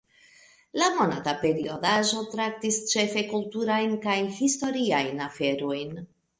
La monata periodaĵo traktis ĉefe kulturajn kaj historiajn aferojn.